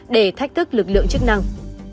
để thách thức lực lượng chức năng